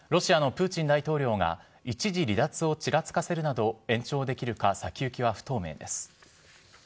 ロシアのプーチン大統領が、一時離脱をちらつかせるなど、延長できるか先行きは不透明です。